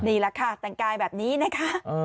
นี่แหละค่ะแต่งกายแบบนี้นะคะ